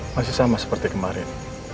masih sama seperti kemarin